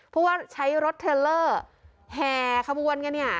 เพราะว่าใช้รถเทลเลอร์แห่ขบวนกันเนี่ย